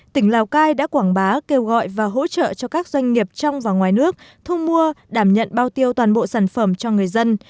tỉnh lào cai đã quảng bá kêu gọi và hỗ trợ cho các doanh nghiệp trong và ngoài nước thu mua đảm nhận bao tiêu toàn bộ sản phẩm cho người dân